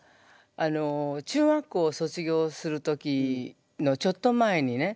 あの中学校を卒業する時のちょっと前にね